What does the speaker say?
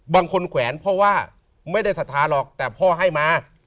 แขวนเพราะว่าไม่ได้ศรัทธาหรอกแต่พ่อให้มา